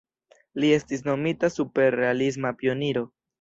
Li estis nomita "superrealisma pioniro".